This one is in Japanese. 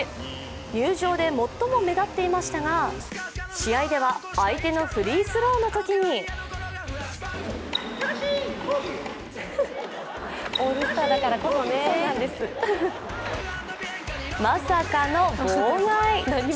入場で最も目立っていましたが試合では相手のフリースローのときにまさかの妨害。